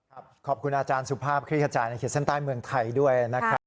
ขอบคุณอาจารย์สุภาพคลิกขจายในขีดเส้นใต้เมืองไทยด้วยนะครับ